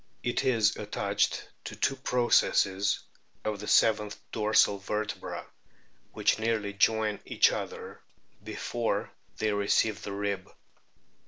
It is attached to two processes of the seventh dorsal vertebra, which nearly join each other before they receive the rib.